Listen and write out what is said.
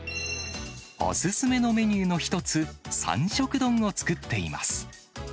お勧めのメニューの一つ、三色丼を作っています。